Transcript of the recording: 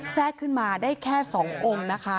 แทรกขึ้นมาได้แค่๒องค์นะคะ